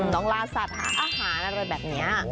ลาสัตว์หาอาหารอะไรแบบนี้